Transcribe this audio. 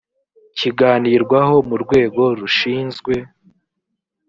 kiganirwaho mu rwego rushinzwe